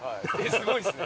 すごいっすね。